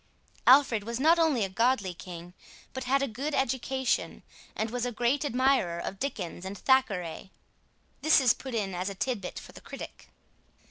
Alfred was not only a godly king, but had a good education, and was a great admirer of Dickens and Thackeray. (This is put in as a titbit for the critic.)